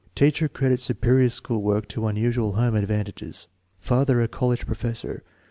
Teacher credits superior school work to "unusual homo advantages/' Father a college professor.